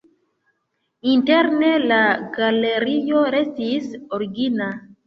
Interne la galerio restis origina.